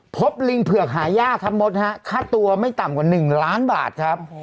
ลิงเผือกหายากครับมดฮะค่าตัวไม่ต่ำกว่า๑ล้านบาทครับ